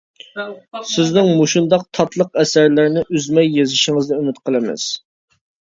سىزنىڭ مۇشۇنداق تاتلىق ئەسەرلەرنى ئۈزمەي يېزىشىڭىزنى ئۈمىد قىلىمىز.